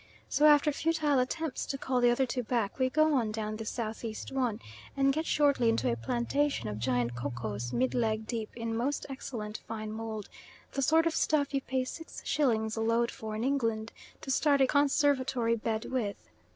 So after futile attempts to call the other two back, we go on down the S.E. one, and get shortly into a plantation of giant kokos mid leg deep in most excellent fine mould the sort of stuff you pay 6 shillings a load for in England to start a conservatory bed with.